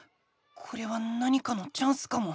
これは何かのチャンスかも。